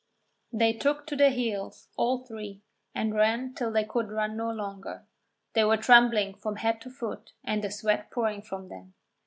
They took to their heels, all three, and ran till they could run no longer. They were trembling from head to foot and the sweat pouring from them.